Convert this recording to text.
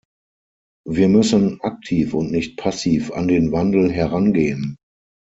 Wir müssen aktiv und nicht passiv an den Wandel herangehen.